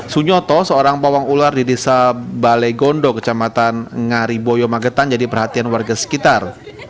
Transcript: sunyoto seorang pawang ular di desa balegondo kecamatan ngariboyo magetan jadi perhatian warga sekitar